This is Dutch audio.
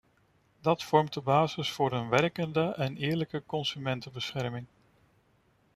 Dat vormt de basis voor een werkende en eerlijke consumentenbescherming.